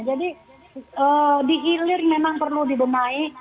jadi dihilir memang perlu dibemaik